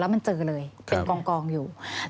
มันเจอเลยเป็นกองอยู่